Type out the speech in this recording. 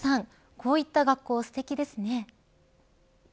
こういった学校、すてきですね。